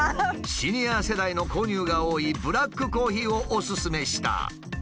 シニア世代の購入が多いブラックコーヒーをおススメした。